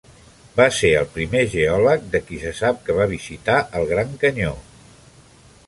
Va ser el primer geòleg de qui se sap que va visitar el Gran Canyó.